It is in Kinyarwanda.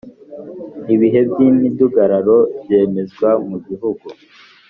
Ibihe by’imidugararo byemezwa mu gihugu